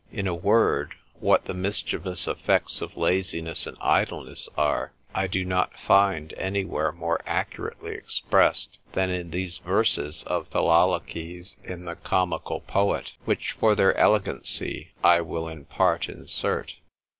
In a word, What the mischievous effects of laziness and idleness are, I do not find any where more accurately expressed, than in these verses of Philolaches in the Comical Poet, which for their elegancy I will in part insert.